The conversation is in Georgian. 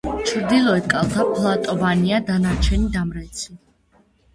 ჩრდილოეთი კალთა ფლატოვანია, დანარჩენი დამრეცი.